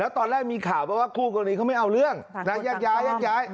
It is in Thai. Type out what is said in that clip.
ตอนแรกมีข่าวที่เขาไม่เอาเรื่องที่ที่กลาย